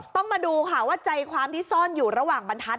ต้องมาดูค่ะว่าใจความที่ซ่อนอยู่ระหว่างบรรทัศ